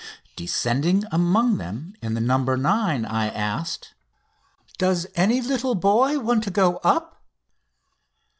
Descending among them in the "No. 9," I asked: "Does any little boy want to go up?"